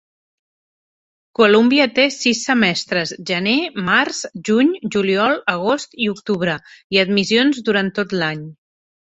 Columbia té sis semestres: gener, març, juny, juliol, agost i octubre. I admissions durant tot l'any.